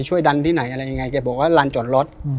ดันที่ไหนอะไรยังไงแกบอกว่าลานจอดรถ